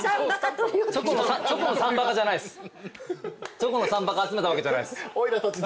チョコの３バカ集めたわけじゃないです。